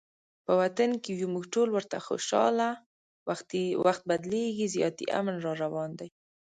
په وطن کې یو موږ ټول ورته خوشحاله، وخت بدلیږي زیاتي امن راروان دي